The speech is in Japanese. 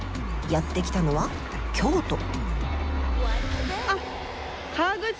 やって来たのは京都。